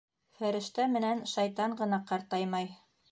Фәрештә менән шайтан ғына ҡартаймай.